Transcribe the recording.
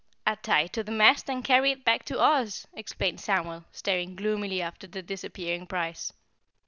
"I'd tie it to the mast and carry it back to Oz," explained Samuel, staring gloomily after the disappearing prize.